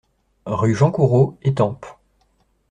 Rue Jean Coureau, Étampes